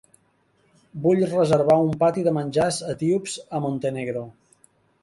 Vull reservar un pati de menjars etíops a Montenegro.